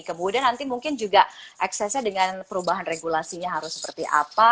kemudian nanti mungkin juga eksesnya dengan perubahan regulasinya harus seperti apa